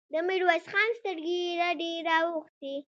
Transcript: د ميرويس خان سترګې رډې راوختې.